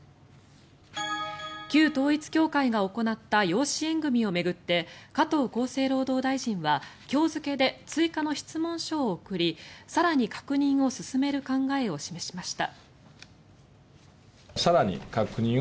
旧統一教会が行った養子縁組を巡って加藤厚生労働大臣は今日付で追加の質問書を送り更に確認を進める考えを示しました。